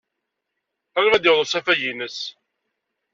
Qrib ad d-yaweḍ usafag-nnes?